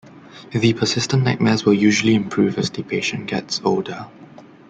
The persistent nightmares will usually improve as the patient gets older.